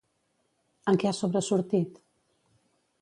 En què ha sobresortit?